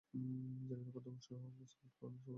জেনে রেখ, ধ্বংসই হল ছামূদ সম্প্রদায়ের পরিণাম।